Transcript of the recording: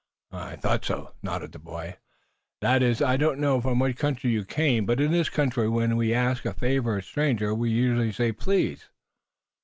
"I thought so," nodded the boy. "That is, I didn't know from what country you came. But, in this country, when we ask a favor of a stranger, we usually say 'please.'"